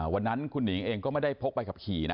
วันนั้นคุณหนิงเองก็ไม่ได้พกใบขับขี่นะ